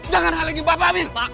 jangan lagi bapak mir